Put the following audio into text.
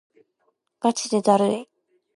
ガチでだるい